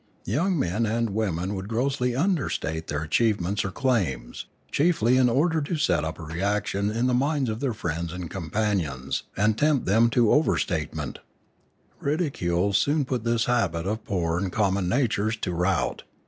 Young men and women would grossly under state their achievements or claims, chiefly in order to set up a reaction in the minds of their friends and com panions, and tempt them to overstatement Ridicule soon put this habit of poor and common natures to rout.